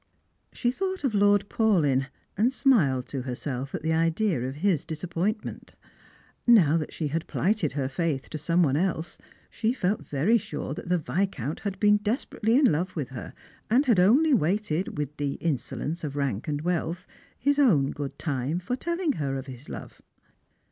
She thought of Lord Paulyn, and smiled to herself at the idea of his disappointment. Now that she had plighted her faith to some one else she felt very sure that the Viscount had been des perately in love with her, and had only waited, with the insolence of rank and wealth, his own good time for telling her of his love.